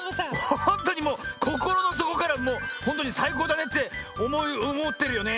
ホントにもうこころのそこからもうホントにさいこうだねっておもおもってるよね。